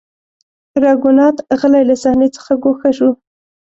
راګونات غلی له صحنې څخه ګوښه شو.